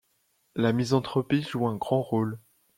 La misanthropie joue un grand rôle.